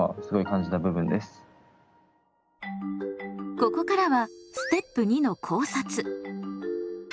ここからはステップ２の考察。